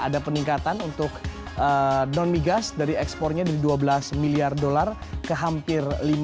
ada peningkatan untuk non migas dari ekspornya dari dua belas miliar dolar ke hampir